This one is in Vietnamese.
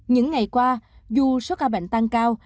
những ngày qua dù số ca bệnh tăng cao